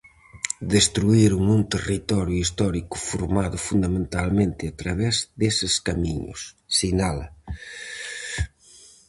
"Destruíron un territorio histórico formado fundamentalmente a través deses camiños", sinala.